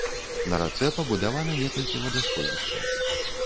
На рацэ пабудавана некалькі вадасховішчаў.